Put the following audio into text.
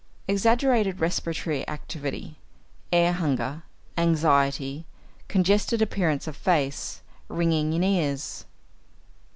Exaggerated respiratory activity; air hunger; anxiety; congested appearance of face; ringing in ears.